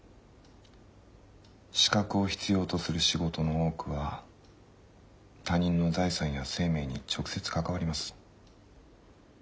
資格を必要とする仕事の多くは他人の財産や生命に直接関わります。